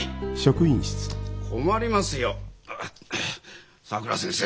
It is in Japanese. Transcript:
困りますよさくら先生。